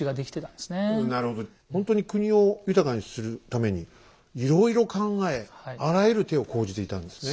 ほんとに国を豊かにするためにいろいろ考えあらゆる手を講じていたんですね。